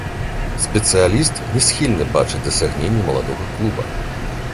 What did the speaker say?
Спецыяліст не схільны бачыць дасягненні маладога клуба.